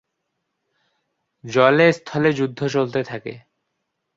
জলে স্থলে যুদ্ধ চলতে থাকে।